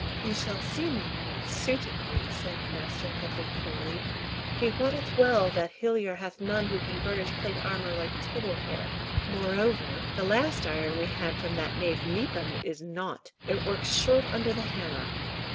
"He shall see me when it suiteth me," said Mr. Headley coolly. "He wotteth well that Hillyer hath none who can burnish plate armour like Tibble here." "Moreover the last iron we had from that knave Mepham is nought. It works short under the hammer."